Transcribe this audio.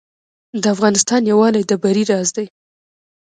د افغانستان یووالی د بری راز دی